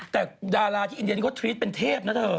แต่ดาราที่อินเดียนี่เขาทรีดเป็นเทพนะเธอ